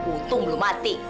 untung belum mati